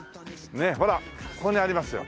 ほらここにありますよ。